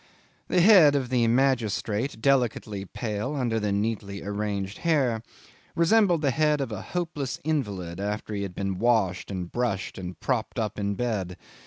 The head of the magistrate, delicately pale under the neatly arranged hair, resembled the head of a hopeless invalid after he had been washed and brushed and propped up in bed.